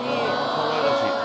かわいらしい。